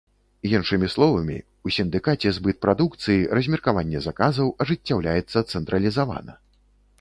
Іншымі словамі, у сіндыкаце збыт прадукцыі, размеркаванне заказаў ажыццяўляецца цэнтралізавана.